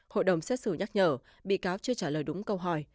hội đồng xét xử nhắc nhở bị cáo chưa trả lời đúng câu hỏi